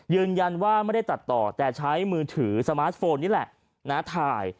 ยืนยันว่าไม่ได้ตัดต่อแต่ใช้มือถือสมาร์ทโฟนนี่แหละนะถ่าย